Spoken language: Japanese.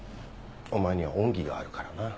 お前には恩義があるからな。